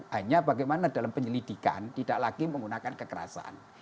hanya bagaimana dalam penyelidikan tidak lagi menggunakan kekerasan